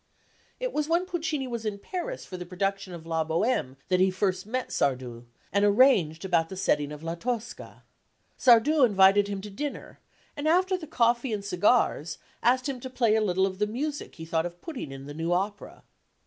It was when Puccini was in Paris for the production of La Bohème that he first met Sardou and arranged about the setting of La Tosca. Sardou invited him to dinner, and after the coffee and cigars asked him to play a little of the music he thought of putting in the new opera.